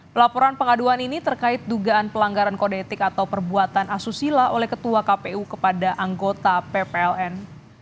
pelaporan pengaduan ini terkait dugaan pelanggaran kode etik atau perbuatan asusila oleh ketua kpu kepada anggota ppln